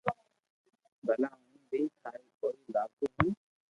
بلا ھون بي ٿاري ڪوئي لاگو ھون